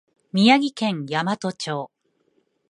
宮城県大和町